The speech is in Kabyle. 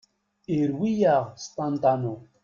Irwi-yaɣ s ṭanṭanu!!